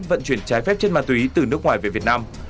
vận chuyển trái phép chất ma túy từ nước ngoài về việt nam